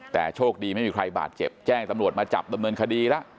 แต่โชคดีไม่มีใครบาดเจ็บแจ้งตำรวจมาจับดำเนินคดีแล้ว